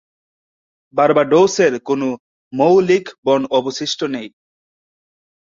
বার্বাডোসের কোন মৌলিক বন অবশিষ্ট নেই।